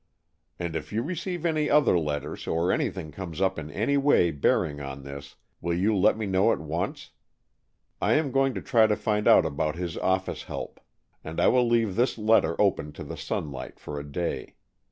"And if you receive any other letters or anything comes up in any way bearing on this, will you let me know at once? I am going to try to find out about his office help. And I will leave this letter open to the sunlight for a day.